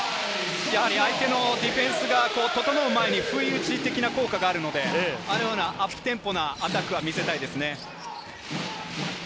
相手のディフェンスが整う前に不意打ち的な効果があるので、アップテンポのアタックは見せたいですね。